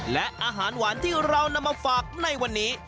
และอาหารหวานที่เรานำมาฝากในวันนี้